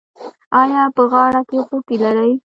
ایا په غاړه کې غوټې لرئ؟